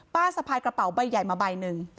สะพายกระเป๋าใบใหญ่มาใบหนึ่ง